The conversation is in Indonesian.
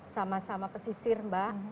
sama sama pesisir mbak